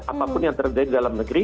apapun yang terjadi di dalam negara